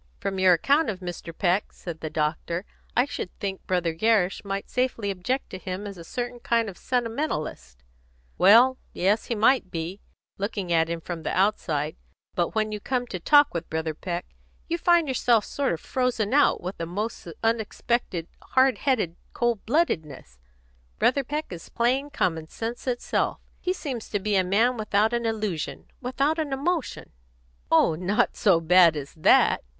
"From your account of Mr. Peck." said the doctor, "I should think Brother Gerrish might safely object to him as a certain kind of sentimentalist." "Well, yes, he might, looking at him from the outside. But when you come to talk with Brother Peck, you find yourself sort of frozen out with a most unexpected, hard headed cold bloodedness. Brother Peck is plain common sense itself. He seems to be a man without an illusion, without an emotion." "Oh, not so bad as that!"